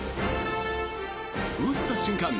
打った瞬間